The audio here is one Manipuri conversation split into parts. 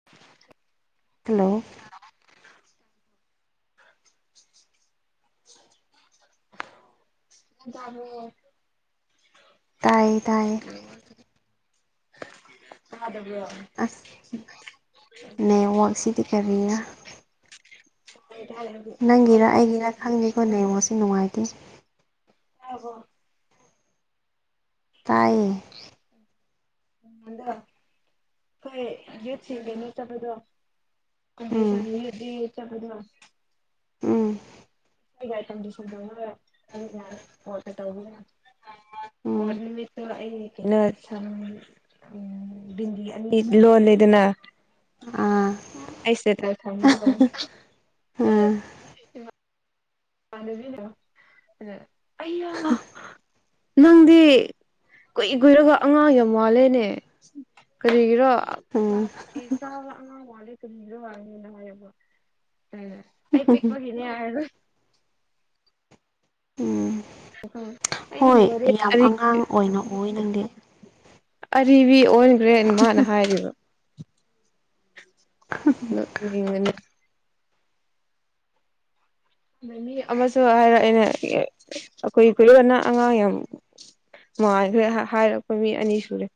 [inaudible] ꯍꯜꯂꯣ [inaudible] ꯅꯔ ꯇꯥꯏ ꯊꯗꯕꯤ ꯑꯁ ꯅꯠꯋꯥꯛꯁꯤꯗꯤ ꯀꯔꯤꯔ ꯑꯩ ꯇꯔꯗꯤ ꯅꯪꯒꯤꯔ ꯑꯩꯒꯤꯔ ꯈꯪꯅꯤꯦꯀꯣ ꯅꯡꯉꯣ ꯁꯤ ꯅꯨꯡꯉꯥꯏꯇꯦ ꯑ ꯍꯣ ꯇꯥꯏꯌꯦ ꯎꯗ ꯑꯩꯣꯏ ꯌꯨꯠ ꯁꯤꯒ ꯅꯠꯇꯕꯗꯣ ꯑꯒꯤ ꯎꯝ ꯁꯥꯡ ꯌꯗꯤ ꯌꯥ ꯃ ꯋꯥ ꯎꯝ ꯑꯩ ꯁꯟ ꯇꯧꯔ ꯑꯗꯨꯠꯇ ꯇꯧꯕꯔ ꯎꯝ ꯄꯔ ꯆ ꯕꯤꯟꯗꯤ ꯑꯅꯤ ꯂꯣꯜꯂꯤꯗꯅ꯫ ꯑꯥ ꯑꯁꯦ ꯇ ꯊꯝ ꯑꯥ ꯄꯥꯟꯅꯕꯤꯅꯣ ꯑꯗ ꯑꯩ ꯅꯪꯗꯤ ꯀꯨꯏ ꯀꯨꯏꯔꯒ ꯑꯉꯥꯡ ꯌꯥꯝ ꯋꯥꯠꯂꯦꯅꯦ ꯀꯔꯤꯒꯤꯔꯣ ꯀ꯭ꯂ ꯎꯝ ꯁꯨ ꯋꯥꯡꯉꯦꯅ ꯍꯥꯏꯌꯦꯕꯣ ꯑꯩ ꯄꯤꯛꯄꯒꯤꯅꯦ ꯍꯥꯏꯔ ꯎꯝ [unintelligible] ꯍꯣꯏ ꯌꯥꯝ ꯑꯔꯤꯕꯤ ꯑꯉꯥꯡ ꯑꯣꯏꯅ ꯑꯣꯏ ꯅꯪꯗꯦ ꯑꯔꯤꯕꯔꯤꯕꯤ ꯑꯣꯟꯈ꯭ꯔꯦꯅ ꯃꯥꯅ ꯍꯥꯏꯔꯤꯕ [unintelligible] ꯃꯤ ꯑꯃꯁꯨ ꯍꯥꯏꯔ ꯑꯩꯅ ꯑꯩꯈꯣꯏ ꯈꯨꯂꯣꯅ ꯑꯉꯥꯡ ꯌꯥꯝ ꯃꯃꯥꯟꯈꯣꯏ ꯍꯥꯏꯔꯛꯄ ꯃꯤ ꯑꯅꯤ ꯁꯨꯔꯦ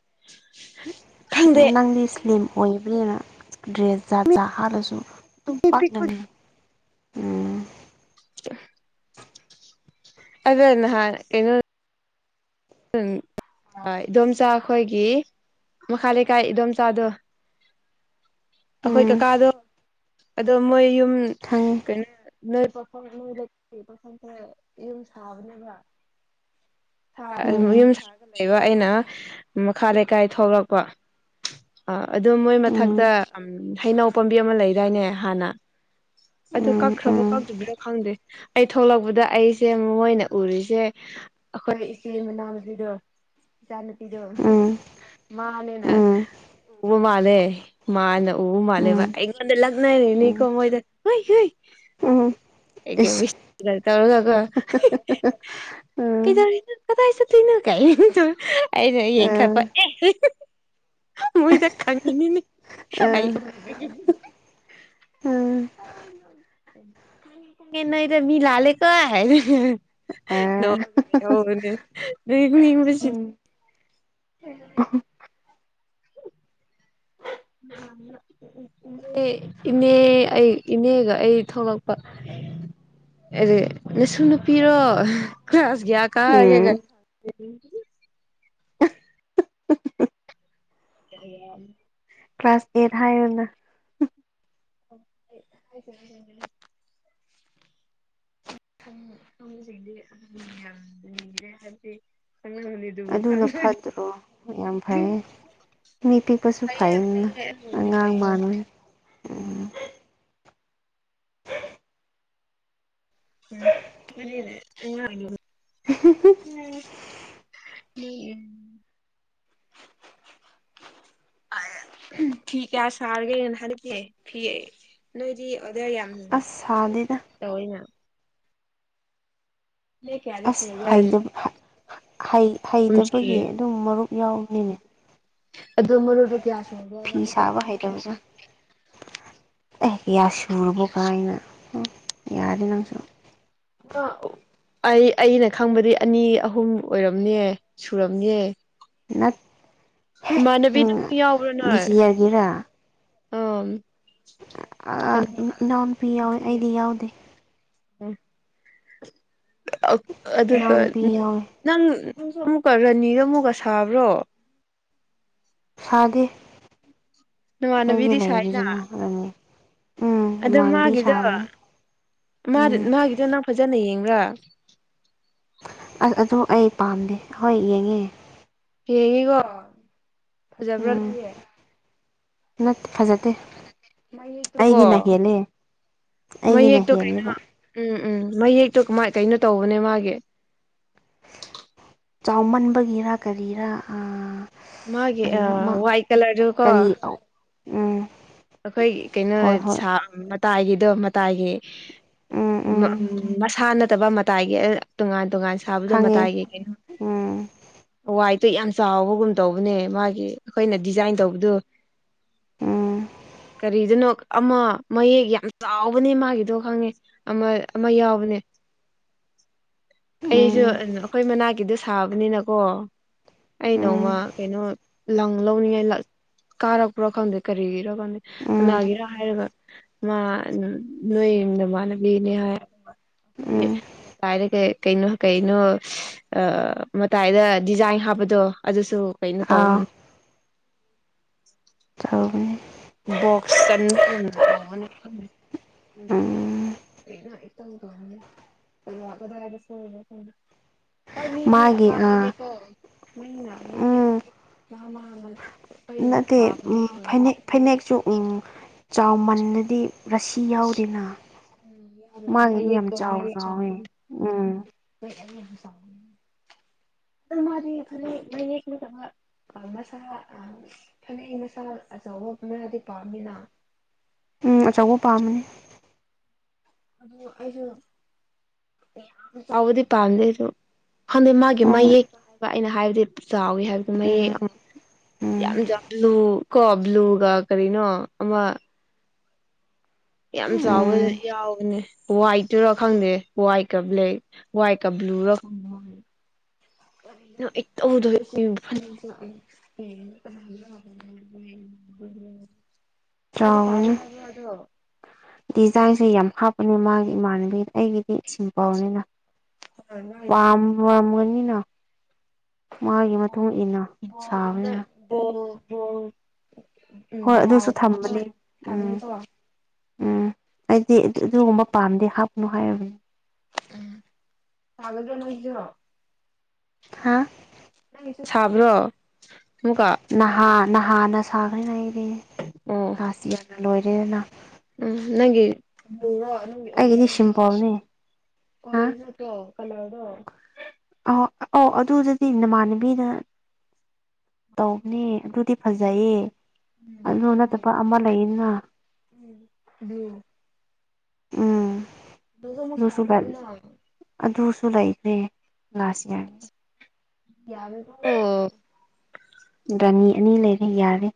ꯈꯪꯗꯦ ꯅꯪꯗꯤ ꯏꯁ꯭ꯂꯤꯝ ꯑꯣꯏꯕꯅꯤꯅ ꯗ꯭ꯔꯦꯁ ꯖꯥꯠ ꯖꯥꯠ ꯍꯥꯞꯂꯁꯨ꯫ ꯑꯗꯨꯨꯝ ꯄꯥꯛꯅꯅꯤ ꯎꯝ [inaudible] ꯑꯩꯗꯣ ꯅꯍꯥꯟ ꯀꯩꯅꯣ ꯎꯝ ꯍ ꯏꯗꯣꯝꯆꯥ ꯑꯩꯈꯣꯏꯒꯤ ꯃꯈꯥ ꯂꯩꯀꯥꯏ ꯏꯗꯣꯝꯆꯥꯥꯗꯣ꯫ ꯑꯩꯈꯣꯏ ꯎꯝ ꯀꯀꯥꯗꯣ ꯑꯗꯣ ꯃꯣꯏ ꯌꯨꯝ ꯈꯪꯉꯦ ꯀꯩꯅꯣ ꯅꯣꯏ [unintelligible] ꯁꯥꯕꯅꯦꯕ ꯎꯝ ꯌꯨꯝ ꯁꯥꯔꯒ ꯂꯩꯕ ꯑꯩꯅ ꯃꯈꯥ ꯂꯩꯀꯥꯏ ꯊꯣꯛꯂꯛꯄ ꯑ ꯑꯗꯣ ꯃꯣꯏ ꯃꯊꯛꯇ ꯎꯝ ꯎ ꯍꯩꯅꯧ ꯄꯥꯝꯕꯤ ꯑꯃ ꯂꯩꯗꯥꯏꯅꯦ ꯍꯥꯟꯅ ꯑꯗꯨ ꯎꯝ ꯀꯛꯈ꯭ꯔꯕ ꯎꯝ ꯀꯥꯇ꯭ꯔꯤꯕ ꯈꯪꯗꯦ꯫ ꯑꯩ ꯊꯣꯛꯂꯛꯄꯗ ꯑꯩꯁꯦ ꯃꯣꯏꯅ ꯎꯔꯤꯁꯦ ꯑꯩꯈꯣꯏ ꯁꯤꯃꯅꯥꯃ ꯄꯤꯗꯣ ꯆꯅ ꯄꯤꯗꯣ ꯎꯝ ꯃꯥꯅꯦꯅ ꯎꯕ ꯃꯥꯜꯂꯦ꯫ ꯃꯥꯅ ꯎ ꯎꯝ ꯃꯥꯂꯦꯕ ꯎꯝ ꯑꯩꯉꯣꯟꯗ ꯂꯛꯅꯔꯤꯅꯤꯀꯣ ꯎꯝ ꯃꯣꯏꯖꯦ [unintelligible] ꯎꯝ ꯏꯁ ꯋꯤꯁꯀ ꯇꯧꯔꯒ ꯎꯝ ꯀꯩꯗꯧꯔꯤꯅꯣ ꯀꯗꯥꯏ ꯆꯠꯇꯣꯏꯅꯣ ꯀꯥꯏ ꯑꯩꯩꯅ ꯎꯝ ꯌꯦꯡꯈꯠꯄ ꯑꯦ꯫ ꯃꯣꯏꯗ ꯈꯪꯉꯤꯅꯤꯅꯦ ꯑꯩ ꯑ ꯎꯕꯒꯤ꯫ ꯎꯝ [inaudible] ꯅꯣꯏꯗ ꯃꯤ ꯂꯥꯂꯦꯀꯣ ꯍꯥꯏ ꯑ [unintelligible] [unintelligible] ꯎꯝ [unintelligible] [inaudible] ꯏ ꯏꯅꯦ ꯑꯩ ꯏꯅꯦꯒ ꯑꯩ ꯊꯣꯛꯂꯛꯄ ꯑꯦ ꯅꯁꯨ ꯅꯨꯄꯤꯔꯣ ꯀ꯭ꯂꯥꯁ ꯀꯌꯥ ꯀꯥꯔꯒꯦ ꯎꯝ [inaudible] ꯑ [inaudible] ꯀ꯭ꯂꯥꯁ ꯑꯦꯠ ꯍꯥꯏꯌꯣꯅ꯫ [inaudible] [unintelligible] ꯑꯗꯨꯅ ꯐꯠꯇ꯭ꯔꯣ ꯌꯥꯝ ꯐꯩꯌꯦ ꯃꯤ ꯄꯤꯛꯄꯁꯨ ꯐꯩꯌꯦ ꯐꯩꯅꯦ ꯐꯩꯌꯦ ꯑꯗꯨꯕꯨꯗꯤ ꯑꯉꯥꯡ ꯐꯩꯌꯦ ꯃꯥꯟꯕꯅꯦ꯫ ꯎ [inaudible] [unintelligible] [unintelligible] ꯃꯤ ꯌꯨꯝ꯫ [inaudible] ꯐꯤ ꯀꯌꯥ ꯁꯥꯔꯒꯦꯅ ꯍꯥꯟꯗꯛꯀꯦ ꯐꯤ ꯅꯣꯏꯗꯤ ꯑꯣꯗꯔ ꯌꯥꯝ ꯑꯁ ꯁꯥꯗꯦꯗ꯫ ꯇꯧꯋꯦꯅ꯫ ꯂꯦꯛ ꯀꯌꯥꯗꯤ ꯑꯁ ꯁꯨꯔꯒꯦ ꯑꯗꯨꯝ ꯍꯩꯇꯕ ꯍꯩ ꯁꯤꯌꯦ ꯍꯩꯇꯕꯒꯤ ꯑꯗꯨꯝ ꯃꯔꯨꯞ ꯌꯥꯎꯕꯅꯤꯅꯦ꯫ ꯐꯤ ꯁꯥꯕ ꯍꯩꯇꯕꯗꯣ꯫ ꯑꯦ ꯌꯥ ꯁꯨꯔꯕꯣ ꯀꯥꯏꯅ ꯌꯥꯔꯦ ꯅꯪꯁꯨ ꯑꯩ ꯑꯩꯅ ꯈꯪꯕꯗꯤ ꯑꯅꯤ ꯑꯍꯨꯝ ꯑꯣꯏꯔꯝꯅꯤꯌꯦ ꯁꯨꯔꯝꯅꯦꯍꯦ꯫ ꯅꯠ ꯍꯦ ꯏꯃꯥꯟꯅꯕꯤꯗꯨ ꯎꯝ ꯌꯥꯎꯕ꯭ꯔꯥ ꯅꯣꯏ ꯗꯤꯁ ꯌꯔꯒꯤꯔꯥ ꯑꯝ꯫ ꯑ ꯏꯅꯥꯎꯅꯨꯄꯤ ꯌꯥꯎꯋꯦ ꯑꯩꯗꯤ ꯌꯥꯎꯗꯦ꯫ ꯑꯗꯨꯒ ꯏꯅꯥꯎꯅꯨꯄꯤ ꯌꯥꯎꯋꯦ ꯅꯪ ꯑꯃꯨꯛꯀ ꯔꯥꯅꯤꯗ ꯑꯃꯨꯛꯀ ꯁꯥꯕ꯭ꯔꯣ ꯁꯥꯗꯦ ꯑꯩꯒꯤ ꯅꯃꯥꯟꯅꯕꯤꯗꯤ ꯁꯥꯏꯅ ꯂꯩꯔꯤꯗꯨꯅ ꯈꯔꯅꯤ ꯎꯝ ꯑꯗ ꯃꯥꯟꯕꯤ ꯃꯥꯒꯤꯗꯣ ꯁꯥꯥꯕꯅꯦ ꯎꯝ ꯃꯥꯒꯤꯗꯣ ꯅꯪ ꯐꯖꯅ ꯌꯦꯡꯔꯥ ꯑ ꯑꯗꯨ ꯑꯩ ꯄꯥꯝꯗꯦ ꯍꯣꯏ ꯌꯦꯡꯉꯦ ꯌꯦꯡꯉꯤꯀꯣ ꯐꯖꯕ꯭ꯔꯣ ꯎꯝ ꯅꯪꯒꯤ ꯅꯠꯇꯦ ꯐꯖꯗꯦ ꯃꯌꯦꯛꯇꯣꯀꯣ ꯑꯩꯒꯤꯅ ꯍꯦꯜꯂꯦ꯫ ꯑꯩꯒꯤꯅ ꯃꯌꯦꯛꯇꯣ ꯍꯦꯟꯂꯤꯕ꯫ ꯀꯩꯅꯣ ꯎꯝ ꯎꯝ ꯃꯌꯦꯛꯇꯣ ꯃꯥꯏ ꯀꯩꯅꯣ ꯇꯧꯕꯅꯦ ꯃꯥꯒꯤ꯫ ꯆꯥꯎꯃꯟꯕꯒꯤꯔ ꯀꯔꯤꯔꯥ ꯑꯥ ꯃꯥꯒꯤ ꯑ ꯀꯔꯤꯅꯣ ꯑꯃ ꯋꯥꯏꯠ ꯀꯂꯔꯗꯨ ꯀꯣ ꯀꯔꯤ ꯎꯝ ꯑꯩꯈꯣꯏ ꯀꯩꯅꯣ ꯍꯣꯏ ꯍꯣꯏ ꯁꯥ ꯃꯇꯥꯏꯒꯤꯗꯣ ꯃꯇꯥꯏꯒꯤ ꯎꯝ ꯃꯁꯥ ꯅꯠꯇꯕ ꯃꯇꯥꯏꯒꯤ ꯇꯣꯉꯥꯟ ꯇꯣꯉꯥꯟ ꯁꯥꯕꯗꯨ ꯈꯪꯉꯦ ꯃꯇꯥꯏꯒꯤ ꯀꯩꯅꯣ ꯎꯝ ꯋꯥꯏꯠꯇꯣ ꯌꯥꯝ ꯆꯥꯎꯕꯒꯨꯝ ꯇꯧꯕꯅꯦ ꯃꯥꯒꯤ ꯑꯩꯈꯣꯏꯅ ꯗꯤꯖꯥꯏꯟ ꯇꯧꯕꯗꯨ ꯎꯝ ꯀꯔꯤꯗꯅꯣ ꯑꯃ ꯃꯌꯦꯛ ꯌꯥꯝ ꯆꯥꯎꯕꯅꯦ ꯃꯥꯒꯤꯗꯣ ꯈꯪꯉꯦ ꯑꯃ ꯑꯃ ꯌꯥꯎꯕꯅꯦ ꯑꯩꯁꯨ ꯎꯝ ꯑꯩꯈꯣꯏ ꯃꯅꯥꯛꯀꯤꯗꯨ ꯁꯥꯕꯅꯤꯅꯀꯣ ꯑꯩ ꯎꯝ ꯅꯣꯡꯃ ꯀꯩꯅꯣ ꯂꯪ ꯂꯧꯅꯤꯡꯉꯥꯏ ꯂꯥꯛ ꯀꯥꯔꯛꯄ꯭ꯔꯣ ꯈꯪꯗꯦ ꯀꯔꯤꯒꯤꯔꯣ ꯈꯪꯗꯦ ꯎꯝ ꯀꯅꯥꯒꯤꯔ ꯍꯥꯏꯔꯒ ꯃꯥ ꯅꯣꯏ ꯅꯃꯥꯟꯅꯕꯤꯅꯦ ꯍꯥꯏ ꯎꯝ [unintelligible] ꯇꯥꯏꯔꯒꯦ ꯀꯩꯅꯣ ꯀꯩꯅꯣ ꯑ ꯃꯇꯥꯏꯗ ꯗꯤꯖꯥꯏꯟ ꯍꯥꯞꯄꯗꯣ ꯑꯗꯨꯁꯨ ꯀꯩꯅꯣ ꯑꯥ ꯇꯧꯅꯤ ꯆꯥꯎꯕꯅꯦ ꯕꯣꯛꯁ ꯆꯅꯤꯒꯨꯝ [unintelligible] ꯎꯝ [unintelligible] ꯀꯗꯥꯏꯗ ꯁꯣꯏꯔꯤꯅꯣ ꯈꯪꯗꯦ ꯍꯣꯏ ꯃꯤꯒꯤ ꯃꯥꯒꯤ ꯑꯥ ꯑꯄꯥꯝꯕꯅꯦꯀꯣ ꯃꯤꯅ ꯃꯤ ꯎꯝ [unintelligible] ꯅꯠꯇꯦ ꯎꯝ ꯄꯥꯕꯅꯦ ꯐꯅꯦꯛ ꯐꯩꯅꯦꯛꯁꯨ ꯎꯝ ꯆꯥꯎꯃꯜꯂꯗꯤ ꯔꯥꯁꯤ ꯌꯥꯎꯗꯦꯅ ꯃꯥꯒꯤꯗꯤ ꯌꯥꯝ ꯆꯥꯎ ꯆꯥꯎꯋꯦ ꯎꯝ [unintelligible] ꯑꯗꯨ ꯃꯥꯗꯤ ꯐꯅꯦꯛ ꯃꯌꯦꯛ ꯅꯠꯇꯕ [unintelligible] ꯐꯅꯦꯛ ꯃꯁꯥ ꯑꯆꯧꯕ ꯑꯃꯗꯤ ꯄꯥꯝꯃꯤꯅ ꯎꯝ ꯑꯆꯧꯕ ꯄꯥꯝꯕꯅꯤ ꯑꯗꯣ ꯑꯩꯖꯨ ꯃꯌꯥꯝ ꯆꯥꯎꯕꯗꯤ ꯄꯥꯝꯗꯦ ꯑꯩꯖꯨ ꯍꯪꯗꯛ ꯃꯥꯒꯤ ꯍꯣꯏ ꯃꯌꯦꯛ ꯑꯩꯅ ꯍꯥꯏꯕꯗꯤ ꯆꯥꯎꯋꯤ ꯍꯥꯏꯕꯗꯤ ꯎꯝ ꯃꯌꯦꯛ ꯌꯥꯝ ꯎꯝ ꯌꯥꯛ ꯕ꯭ꯂꯨ ꯀꯣ ꯕ꯭ꯂꯨꯒ ꯀꯔꯤꯅꯣ ꯑꯃ ꯌꯥꯝ ꯆꯥꯎꯕ ꯎꯝ ꯌꯥꯎꯕꯅꯦ ꯋꯥꯏꯠꯇꯨꯔꯥ ꯈꯪꯗꯦ ꯋꯥꯏꯠꯀ ꯕ꯭ꯂꯦꯛ ꯋꯥꯏꯠꯀ ꯕ꯭ꯂꯨꯒ [unintelligible] [unintelligible] [unintelligible] ꯆꯥꯎꯕꯅꯤ ꯗꯤꯖꯥꯏꯟꯁꯨ ꯌꯥꯝ ꯍꯥꯞ ꯑꯗꯨ ꯃꯥꯒꯤ ꯏꯃꯥꯟꯅꯕꯤ ꯑꯩꯒꯤꯗꯤ ꯏꯁꯤꯡ ꯄꯥꯎꯅꯤꯅ ꯄꯥꯝ ꯋꯥꯔꯝꯒꯅꯤꯅ ꯃꯥꯒꯤ ꯃꯇꯨꯡ ꯏꯟꯅ ꯕꯣꯜꯒꯨꯝꯅ ꯁꯥꯕꯅꯤꯅ [unintelligible] ꯍꯣꯏ ꯎꯝ ꯑꯗꯨꯁꯨ ꯔꯥꯎ ꯑꯃ ꯊꯝꯕꯅꯤ ꯎꯝ ꯊꯝꯃꯦꯀꯣ ꯎꯝ ꯑꯩꯗꯤ ꯑꯗꯨ ꯑꯗꯨꯒꯨꯝꯕ ꯄꯥꯝꯗꯦ ꯍꯥꯞꯅꯨ ꯍꯥꯏꯔꯕꯅꯤ ꯎꯝ ꯆꯥꯒꯗꯔꯣ ꯅꯣꯏꯖꯨ ꯍꯥꯥ ꯅꯪꯒꯤꯁꯨ ꯁꯥꯕ꯭ꯔꯣ ꯑꯃꯨꯛꯀ ꯅꯍꯥ ꯅꯍꯥꯅ ꯁꯥꯒ꯭ꯔꯤꯅ ꯑꯩꯗꯤ ꯑꯣ ꯂꯥꯁ ꯏꯌꯔꯅ ꯂꯣꯏꯔꯦꯅ ꯎꯝ ꯅꯪꯒꯤ ꯕ꯭ꯂꯨꯔꯣ ꯑꯩꯒꯤꯗꯤ ꯁꯤꯝꯄꯣꯜꯅꯦ ꯍꯥ [unintelligible] ꯀꯅꯥꯗꯣ ꯑ ꯑ ꯑꯗꯨꯗꯨꯗꯤ ꯅꯃꯥꯟꯅꯕꯤꯅ ꯇꯧꯕꯅꯦ ꯑꯗꯨꯗꯤ ꯐꯖꯩꯌꯦ ꯑꯗꯨ ꯅꯠꯇꯕ ꯑꯃ ꯂꯩꯌꯦꯅ ꯎꯝ ꯑꯗꯨ ꯎꯝ ꯗꯧꯗꯨꯁꯨ ꯑꯗꯨꯁꯨ ꯃꯁꯥꯥ ꯀꯥꯡꯍꯣꯏꯅ ꯑꯗꯨꯁꯨ ꯂꯩꯈ꯭ꯔꯦ ꯂꯥꯁ ꯌꯥꯏ ꯌꯥꯒꯥꯔꯣ ꯒꯥꯅꯤ ꯑꯅꯤ ꯂꯩꯔꯦ ꯌꯥꯔꯦ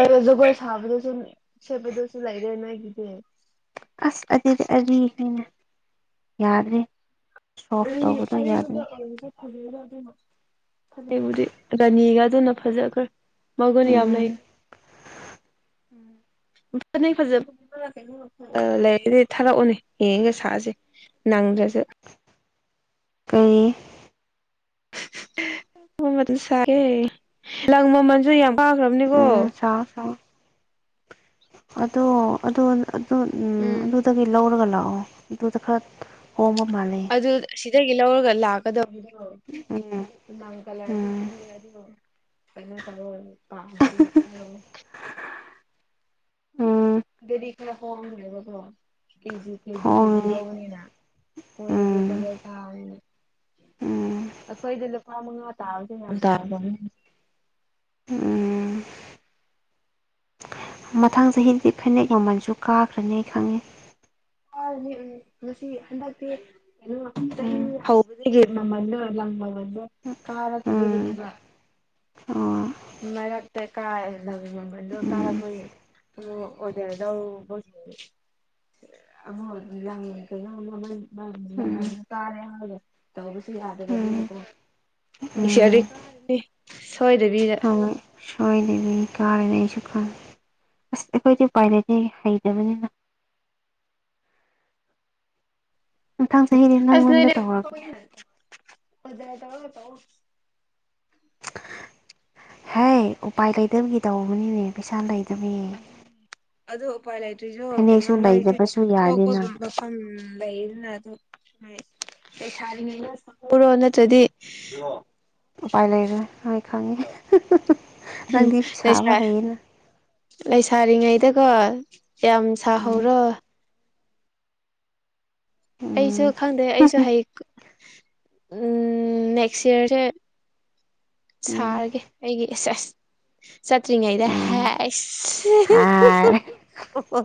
ꯑꯗꯣ ꯖꯒꯣꯏ ꯁꯥꯕꯗꯁꯨ ꯁꯦꯠꯄꯗꯁꯨ ꯂꯩꯔꯦ ꯅꯣꯏꯒꯤꯗꯤ ꯑꯁ ꯑꯗꯨꯗꯤ ꯑꯔꯤꯕꯅꯤꯅ ꯌꯥꯗ꯭ꯔꯦ ꯁꯣꯐ ꯔꯤ ꯇꯧꯕꯗꯣ ꯌꯥꯗ꯭ꯔꯦ ꯑꯔꯤꯕ ꯑꯣꯏꯔꯁꯨ [unintelligible] ꯐꯕꯨꯗꯤ ꯔꯥꯅꯤꯒꯗꯨꯅ ꯐꯖꯒ꯭ꯔꯦ ꯃꯒꯨꯟ ꯌꯥꯝ ꯎꯝ ꯂꯩ [unintelligible] ꯑꯥ ꯂꯩꯗꯤ ꯊꯥꯔꯛꯑꯣꯅꯦ ꯌꯦꯡꯒ ꯁꯥꯁꯦ ꯅꯪꯗ꯭ꯔꯁꯨ ꯀꯔꯤ [unintelligible] ꯂꯪ ꯃꯃꯟꯖꯨ ꯌꯥꯝ ꯎꯝ ꯀꯥꯈ꯭ꯔꯕꯅꯤꯀꯣ ꯁꯥ ꯁꯥ ꯑꯗꯣ ꯑꯗꯣ ꯑꯗꯨ ꯎꯝ ꯑꯗꯨꯗꯒꯤ ꯂꯧꯔꯒ ꯂꯥꯛꯑꯣ ꯑꯗꯨꯗ ꯈꯔ ꯍꯣꯡꯕ ꯃꯥꯜꯂꯤ ꯑꯗꯨ ꯁꯤꯗꯒꯤ ꯂꯧꯔꯒ ꯂꯥꯛꯀꯗꯧꯕ ꯎꯝ ꯂꯪ ꯀꯂꯔꯁꯨ ꯎꯝ ꯈꯪꯗꯦ ꯑꯗꯨꯒ ꯀꯩꯅꯣ ꯇꯧꯋꯦ ꯄꯥꯝꯃꯗꯤ ꯍꯥꯏꯔꯛꯑꯣ ꯎꯝ ꯁꯤꯗꯥꯗꯤ ꯈꯔ ꯍꯣꯡꯒ꯭ꯔꯦꯕꯀ꯭ꯣ ꯀꯦꯖꯤ ꯀꯦꯖꯤ ꯀꯦꯖꯤ ꯍꯣꯡꯉꯦ ꯂꯧꯕꯅꯤꯅ ꯃꯣꯏꯗꯥꯗꯤ ꯎꯝ ꯗꯥꯕꯜ ꯀꯥꯕꯅꯤꯅ ꯎꯝ ꯑꯩꯈꯣꯏꯗꯤ ꯂꯨꯄꯥ ꯃꯉꯥ ꯇꯥꯕꯁꯨ ꯌꯥꯝ ꯇꯥꯕꯅꯤ ꯎꯝ ꯃꯊꯪ ꯆꯍꯤꯗꯤ ꯐꯅꯦꯛ ꯃꯃꯜꯁꯨ ꯀꯥꯈ꯭ꯔꯅꯤ ꯈꯪꯉꯦ [unintelligible] ꯎꯝ ꯉꯁꯤ ꯍꯟꯗꯛꯇꯤ ꯎꯝ ꯍꯧꯕꯗꯒꯤ ꯃꯃꯟꯗꯣ ꯂꯪ ꯃꯃꯟꯗꯣ ꯎꯝ ꯀꯥꯔꯛꯇꯕꯩꯒꯤꯅꯤꯕ ꯑꯣ ꯃꯔꯛꯇ ꯀꯥꯔ ꯂꯪ ꯃꯃꯟꯗꯣ ꯎꯝ ꯀꯥꯔꯄꯒꯤ ꯑꯣ ꯑꯣꯗꯔ ꯂꯧꯕꯒꯤ [unintelligible] ꯎꯝ ꯃꯃꯜꯁꯨ ꯇꯥꯔꯦ ꯍꯥꯏꯔꯒ ꯇꯧꯕꯁꯨ ꯎꯝ ꯌꯥꯗꯕꯅꯤꯅꯀꯣ ꯎꯝ [unintelligible] ꯁꯣꯏꯗꯕꯤꯗ ꯍꯣꯏ ꯁꯣꯏꯗꯕꯤ ꯀꯥꯔꯤꯅꯤ ꯑꯩꯁꯨ ꯈꯪꯉꯦ ꯑꯁ ꯑꯩꯈꯣꯏꯗꯤ ꯎꯄꯥꯏ ꯂꯩꯇꯦꯍꯦ ꯍꯩꯇꯕꯅꯤꯅ ꯃꯊꯪ ꯆꯍꯤꯗꯤ ꯑꯁ ꯅꯪꯉꯣꯟꯗ ꯅꯣꯏꯗꯤ ꯇꯧꯔꯒꯦ [unintelligible] ꯍꯦ ꯎꯄꯥꯏ ꯂꯩꯇꯕꯒꯤ ꯇꯧꯕꯅꯤꯅꯦ ꯄꯩꯁꯥ ꯂꯩꯇꯕꯒꯤ ꯑꯗꯨ ꯎꯄꯥꯏ ꯂꯩꯇꯔꯤꯖꯨ ꯀꯩꯅꯣ ꯐꯅꯦꯛꯁꯨ ꯅꯣꯏꯁꯦ ꯂꯩꯗꯕꯁꯨ ꯊꯣꯛꯄ ꯌꯥꯗꯦꯅ ꯃꯐꯝ ꯂꯩꯗꯅ ꯑꯗꯨ ꯂꯩꯁꯥꯔꯤꯉꯩꯗ ꯁꯥꯍꯧꯔꯣ ꯅꯠꯇ꯭ꯔꯗꯤ ꯎꯄꯥꯏ ꯂꯩꯔꯣꯏ ꯍꯣꯏ ꯈꯪꯉꯦ ꯅꯪꯗꯤ ꯂꯩꯁꯥ ꯁꯥꯕ ꯍꯩꯌꯦꯅ ꯂꯩꯁꯥꯔꯤꯉꯩꯗꯀꯣ ꯌꯥꯝ ꯎꯝ ꯁꯥꯍꯧꯔꯣ ꯑꯩꯁꯨ ꯈꯪꯗꯦ ꯑꯩꯁꯨ ꯎꯝ ꯍꯩ ꯎꯝ ꯅꯦꯛꯁ ꯏꯌꯥꯔꯁꯦ ꯎꯝ ꯁꯥꯔꯒꯦ ꯑꯩꯒꯤ ꯑꯦꯁ ꯑꯦꯁ ꯆꯠꯇꯔꯤꯉꯩꯗ ꯑꯦ ꯍꯥꯏꯁ ꯍꯥꯏ ꯑꯣ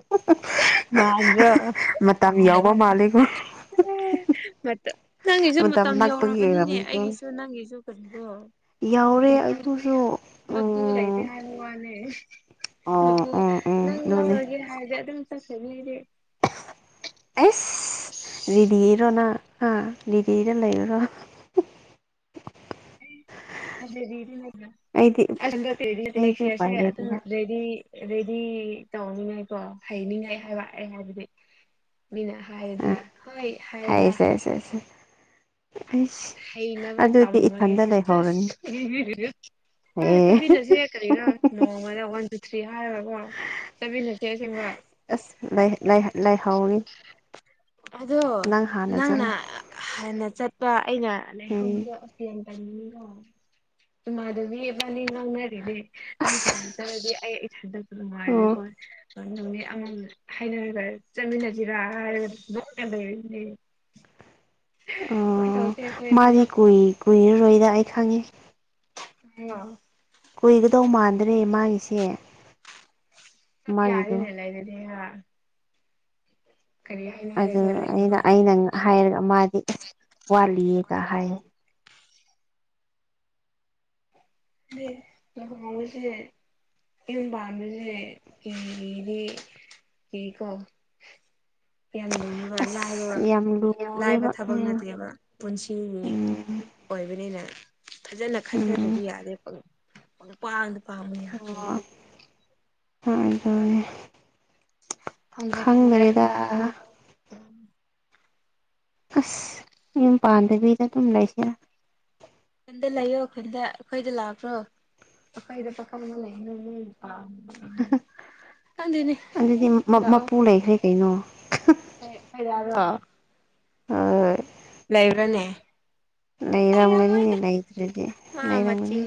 ꯃꯥꯟꯗ꯭ꯔꯣ ꯃꯇꯝ ꯌꯥꯎꯕ ꯃꯥꯜꯂꯦꯀꯣ ꯅꯪꯒꯤꯁꯨ ꯃꯇꯝ ꯅꯛꯄꯒꯤ ꯌꯧꯔꯕꯅꯤꯅꯦ ꯑꯣꯏꯔꯝꯅꯤꯀꯣ ꯑꯩꯒꯤꯁꯨ ꯅꯪ ꯒꯤꯁꯨ ꯀꯔꯤꯅꯣ ꯌꯧꯔꯦ ꯃꯄꯨ ꯑꯗꯨꯁꯨ ꯃꯄꯨ ꯎꯝ ꯂꯩꯇꯦ ꯍꯥꯏꯕ ꯋꯥꯅꯦ ꯑꯣ ꯃꯥꯄꯨ ꯎꯝ ꯎꯝ ꯅꯪ ꯑꯗꯨꯅꯦ ꯂꯧꯔꯒꯦ ꯍꯥꯏꯔꯗꯤ ꯑꯗꯨꯝ ꯆꯠꯈꯤꯅꯤ ꯑꯩꯗꯤ ꯔꯤꯗꯤꯔꯣ ꯅꯪ ꯍꯥꯥ ꯔꯤꯗꯤꯗ ꯂꯩꯔꯨꯔꯣ [unintelligible] ꯑꯩꯗꯤ ꯑꯩꯗꯤ ꯎꯄꯥꯏ ꯂꯩꯇꯦꯗ [inaudible] ꯂꯩꯔꯤ ꯑꯗꯩꯗꯤ ꯇꯧꯅꯤꯡꯉꯥꯏ ꯀꯣ ꯍꯩꯅꯤꯡꯉꯥꯏ ꯍꯥꯏꯕ ꯑꯩ ꯍꯥꯏꯕꯗꯤ ꯃꯤꯅ ꯍꯥꯏꯔꯗꯤ ꯍꯣꯏ ꯍꯥꯏꯕ ꯑꯦ ꯁꯦ ꯁꯦ ꯍꯩꯅꯕ ꯑꯗꯨꯗꯤ ꯇꯝꯃꯒꯦ ꯏꯊꯟꯗ ꯂꯩꯍꯧꯔꯅꯤ ꯑꯦ ꯆꯃꯤꯅꯁꯦ ꯀꯔꯤꯔ ꯅꯣꯡ ꯉꯥꯂꯦ ꯋꯥꯟ ꯇꯨ ꯊ꯭ꯔꯤ ꯍꯥꯏꯔꯣꯏꯀꯣ ꯆꯃꯤꯅꯁꯦ ꯁꯤꯡꯕ ꯑꯁ ꯅꯩꯏꯍꯧꯔꯤ ꯑꯗꯣ ꯅꯪꯅ ꯆꯠꯂꯣ ꯍꯥꯟꯅ ꯆꯠꯄ ꯑꯩꯅ ꯎꯝ ꯂꯩꯍꯧꯕꯗꯣ [unintelligible] ꯃꯥꯗꯕꯤ ꯏꯕꯥꯅꯤ [unintelligible] ꯅꯪ ꯑꯁ ꯍꯥꯟꯅ ꯆꯪꯔꯗꯤ ꯑꯩ ꯏꯊꯟꯗ ꯑꯣ ꯅꯨꯡꯉꯥꯏꯀꯣ ꯅꯨꯃꯤꯠ ꯑꯃꯝ ꯍꯥꯏꯅꯔꯒ ꯆꯠꯃꯤꯟꯅꯁꯤꯔꯥ ꯍꯥꯏꯔꯒ ꯗ [unintelligible] ꯑꯣ ꯃꯥꯗꯤ ꯄꯨꯂꯞ ꯀꯨꯏ ꯀꯨꯏꯔꯔꯣꯏꯗ ꯑꯩ ꯈꯪꯉꯤ [unintelligible] ꯉ ꯀꯨꯏꯒꯗꯧ ꯃꯥꯟꯗ꯭ꯔꯦ ꯃꯥꯒꯤꯁꯦ [unintelligible] ꯃꯥꯒꯤꯗꯣ ꯌꯥꯔꯤꯅꯦ ꯂꯩꯔꯗꯤ ꯍꯥ ꯑꯗꯨ ꯑꯩꯅ ꯑꯩꯅ ꯍꯥꯏꯔꯒ ꯃꯥꯗꯤ ꯑꯦꯁ ꯋꯥꯠꯂꯤꯌꯦꯒ ꯍꯥꯏꯌꯦ [unintelligible] ꯁꯦ ꯌꯨꯝ ꯄꯥꯟꯕꯁꯦ [unintelligible] [inaudible] ꯌꯥꯝ ꯂꯨꯏꯌꯦꯕ ꯂꯥꯏꯕ ꯑꯁ ꯌꯥꯝ ꯂꯥꯏꯕ ꯂꯨꯔꯦꯕ ꯊꯕꯛ ꯎꯝ ꯅꯠꯇꯦꯕ ꯄꯨꯟꯁꯤꯒꯤ ꯎꯝ ꯑꯣꯏꯕꯅꯤꯅ ꯐꯖꯅ ꯎꯝ ꯈꯟꯊꯔꯗꯤ ꯌꯥꯗꯦ ꯅꯨꯄꯥ ꯑꯝꯇ ꯄꯥꯝꯃꯨ ꯑꯣ [unintelligible] ꯑꯗꯨꯅꯦ ꯈꯪꯗ꯭ꯔꯦꯗ ꯑꯁ ꯌꯨꯝ ꯄꯥꯟꯗꯕꯤꯗ ꯑꯗꯨꯝ ꯂꯩꯁꯤꯔ ꯈꯨꯟꯗ ꯂꯩꯌꯣ ꯈꯨꯟꯗ ꯑꯩꯈꯣꯏꯗ ꯂꯥꯛꯕ꯭ꯔꯣ ꯑꯈꯣꯏꯗ [unintelligible] [inaudible] ꯑꯗꯨꯗꯤ ꯃꯄꯨ ꯂꯩꯈ꯭ꯔꯦ ꯀꯩꯅꯣ ꯐ [unintelligible] ꯑ ꯂꯩꯕ꯭ꯔꯅꯦ ꯂꯩꯔꯝꯒꯅꯤꯅꯦ ꯂꯩꯔꯝꯃꯣꯏꯗ ꯂꯩꯗ꯭ꯔꯗꯤ ꯃꯥ ꯂꯩꯔꯝꯒꯅꯤ ꯃꯆꯤꯟ